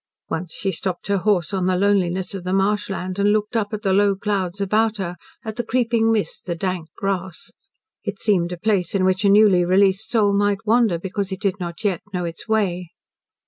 Once she stopped her horse on the loneliness of the marsh land, and looked up at the low clouds about her, at the creeping mist, the dank grass. It seemed a place in which a newly released soul might wander because it did not yet know its way.